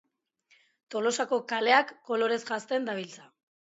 Tolosako kaleak kolorez jantzen dabiltza.